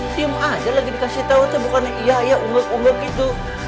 diam aja lagi dikasih tau bukan iya iya ungguk ungguk gitu